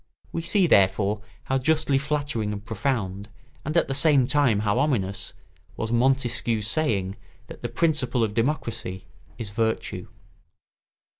We see therefore how justly flattering and profound, and at the same time how ominous, was Montesquieu's saying that the principle of democracy is virtue.